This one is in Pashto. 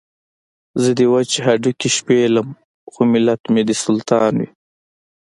زه دې وچ هډوکي شپېلم خو ملت مې دې سلطان وي.